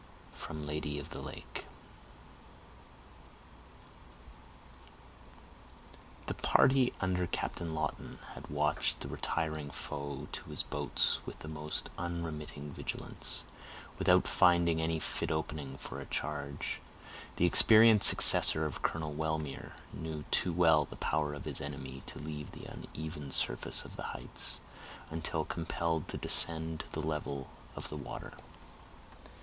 —Lady of the Lake. The party under Captain Lawton had watched the retiring foe to his boats with the most unremitting vigilance, without finding any fit opening for a charge. The experienced successor of Colonel Wellmere knew too well the power of his enemy to leave the uneven surface of the heights, until compelled to descend to the level of the water.